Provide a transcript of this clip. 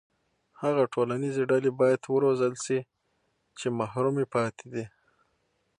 هغه ټولنیزې ډلې باید وروزل شي چې محرومې پاتې دي.